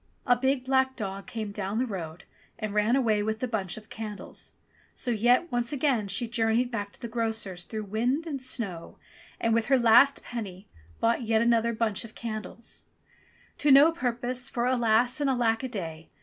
A big black dog came down the road and ran away with the bunch of candles. So yet once again she journeyed back to the grocer's through wind and snow, and, with her last penny, bought yet another bunch 358 ENGLISH FAIRY TALES of candles. To no purpose, for alas, and alack a day